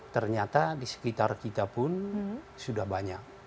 ternyata di sekitar kita pun sudah banyak